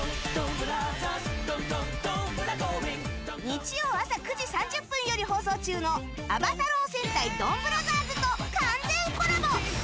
日曜朝９時３０分より放送中の「暴太郎戦隊ドンブラザーズ」と完全コラボ！